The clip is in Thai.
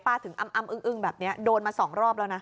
ป้าถึงอัมอึ้งแบบเนี้ยโดนมาสองรอบแล้วนะ